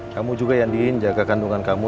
kamu juga yang diinjaga kandungan kamu